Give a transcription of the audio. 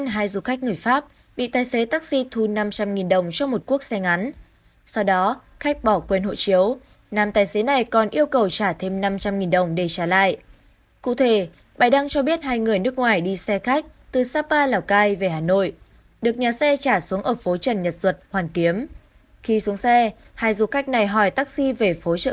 hãy đăng ký kênh để ủng hộ kênh của chúng mình nhé